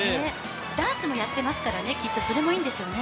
ダンスもやってますから、きっとそれもいいんでしょうね。